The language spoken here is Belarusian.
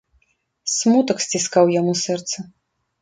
Смутак сціскаў яму сэрца.